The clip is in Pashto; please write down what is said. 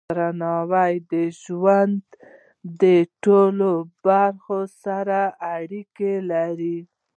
درناوی د ژوند د ټولو برخو سره اړیکه لري.